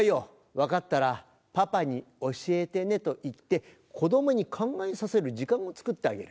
分かったらパパに教えてね」と言って子供に考えさせる時間をつくってあげる。